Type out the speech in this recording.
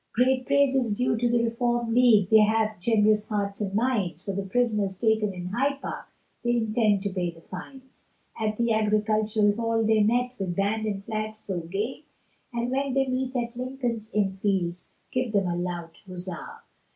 Great praise is due to the Reform League, They have generous hearts and minds, For the prisoners taken in Hyde Park, They intend to pay the fines; At the Agricultural Hall they met, With band and flags so gay, And when they meet at Lincoln's Inn fields Give them a loud huzza!